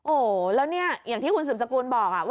โอ้โหแล้วเนี่ยอย่างที่คุณสืบสกุลบอก